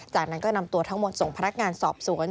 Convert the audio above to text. จากนั้นก็นำตัวทั้งหมดส่งพนักงานสอบสวน